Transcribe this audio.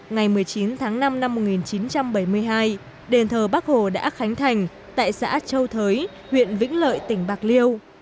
ngày một mươi chín tháng năm năm một nghìn chín trăm bảy mươi hai đền thờ bắc hồ đã khánh thành tại xã châu thới huyện vĩnh lợi tỉnh bạc liêu